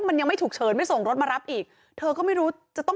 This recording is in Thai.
มันยังไม่ฉุกเฉินไม่ส่งรถมารับอีกเธอก็ไม่รู้จะต้อง